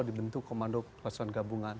dibentuk komando perwakilan gabungan